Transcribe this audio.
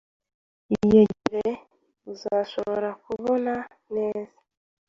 Iyegere uzashobora kubona neza.